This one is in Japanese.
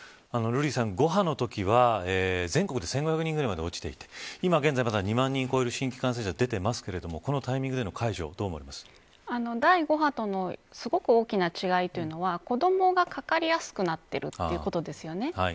瑠麗さん、５波のときは全国で１５００人ぐらいまで落ちていて今現在２万人を超える新規感染者が出ていますがこのタイミングでの第５波とのすごく大きな違いというのは子どもがかかりやすくなっていることです。